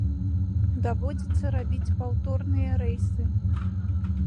Даводзіцца рабіць паўторныя рэйсы.